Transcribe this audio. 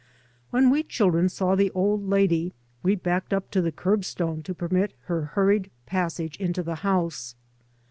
When we children saw the old lady we backed up to the curbstone to permit her hur ried passage into the house.